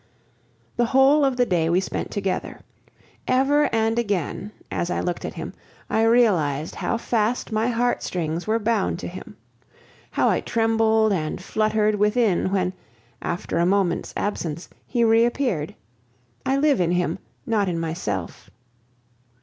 The whole of the day we spent together. Ever and again, as I looked at him, I realized how fast my heart strings were bound to him. How I trembled and fluttered within when, after a moment's absence, he reappeared. I live in him, not in myself.